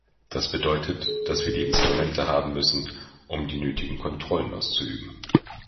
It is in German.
Das bedeutet, dass wir die Instrumente haben müssen, um die nötigen Kontrollen auszuüben.